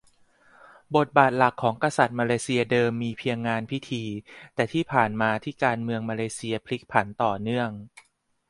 บทบาทหลักของกษัตริย์มาเลเซียเดิมมีเพียงงานพิธี แต่ที่ผ่านมาที่การเมืองมาเลเซียผลิกผันต่อเนื่อง